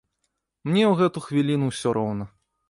Мне ў гэту хвіліну ўсё роўна.